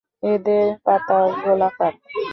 এদের পাতা গোলাকার।